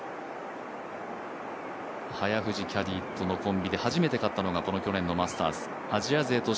早藤キャディーとのコンビで初めて勝ったのがこのマスターズのプレー。